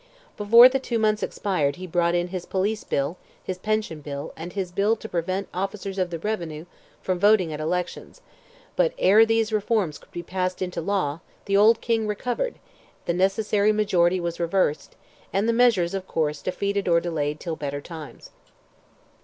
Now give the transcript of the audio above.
Before the two months expired he brought in his police bill, his pension bill, and his bill to prevent officers of the revenue from voting at elections, but ere these reforms could be passed into law, the old King recovered, the necessary majority was reversed, and the measures, of course, defeated or delayed till better times.